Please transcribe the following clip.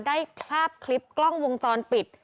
ได้ภาพคลิปกล้องวงจรปิด